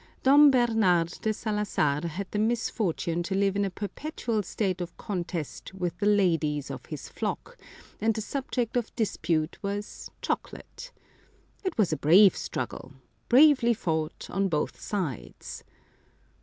Dom Bernard de Salazar had the misfortune to live in a perpetual state of contest with the ladies of his flock, and the subject of dispute was chocolate. It was a brave struggle — bravely fought on both sides.